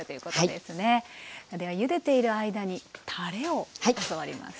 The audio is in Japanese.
ではゆでている間にたれを教わります。